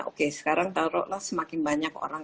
oke sekarang taruhlah semakin banyak orang